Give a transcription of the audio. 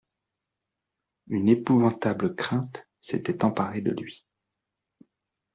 Une épouvantable crainte s'était emparée de lui.